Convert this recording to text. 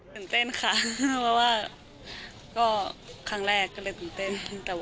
ตื่นเต้นค่ะเพราะว่าก็ครั้งแรกก็เลยตื่นเต้น